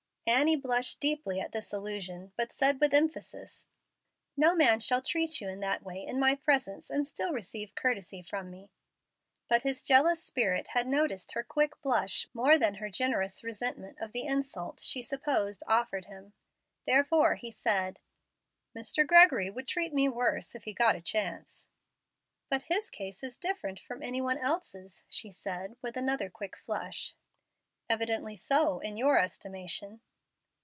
Annie blushed deeply at this allusion, but said with emphasis, "No man shall treat you in that way in my presence and still receive courtesy from me." But his jealous spirit had noticed her quick blush more than her generous resentment of the insult she supposed offered him. Therefore he said, "Mr. Gregory would treat me worse if he got a chance." "But his case is different from any one's else," she said, with another quick flush. "Evidently so in your estimation."